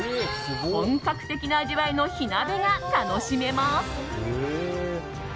本格的な味わいの火鍋が楽しめます。